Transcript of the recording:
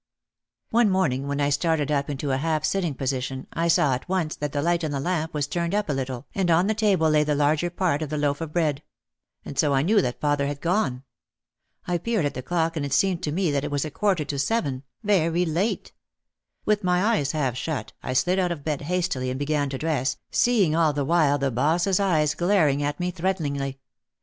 One morning when I started up into a half sitting po sition I saw at once that the light in the lamp was turned up a little and on the table lay the larger part of the loaf of bread. And so I knew that father had gone. I peered at the clock and it seemed to me that it was a quarter to seven, very late. With my eyes half shut I slid out of bed hastily and began to dress, seeing all the while the boss's eyes glaring at me threateningly.